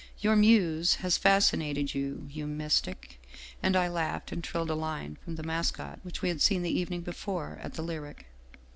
Your muse has fascinated you, you mystic !' And I laughed and trilled a line from ' The Mascot/ which we had seen the evening before at the Lyric.